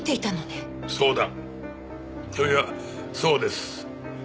あっいやそうです。